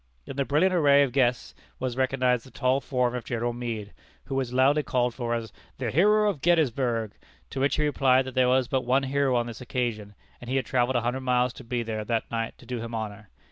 In the brilliant array of guests was recognized the tall form of General Meade, who was loudly called for as "the hero of Gettysburg," to which he replied that there was but one hero on this occasion, and he had travelled a hundred miles to be there that night to do him honor.